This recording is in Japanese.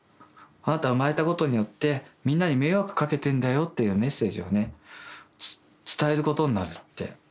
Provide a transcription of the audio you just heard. あなた生まれたことによってみんなに迷惑かけてんだよ」っていうメッセージをね伝えることになるって。